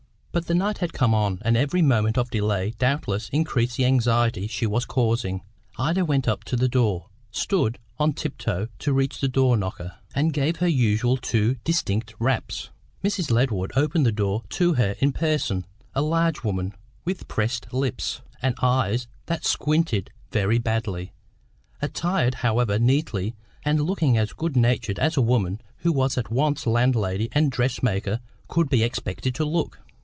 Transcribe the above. But the night had come on, and every moment of delay doubtless increased the anxiety she was causing. Ida went up to the door, stood on tiptoe to reach the knocker, and gave her usual two distinct raps. Mrs. Ledward opened the door to her in person; a large woman, with pressed lips and eyes that squinted very badly; attired, however, neatly, and looking as good natured as a woman who was at once landlady and dressmaker could be expected to look.